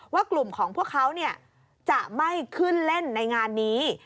ว่ากลุ่มของพวกเขาจะไม่ขึ้นเล่นในงานนี้